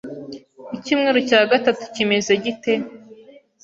Icyumweru cya gatatu kimeze gite